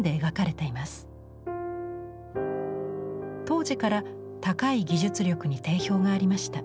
当時から高い技術力に定評がありました。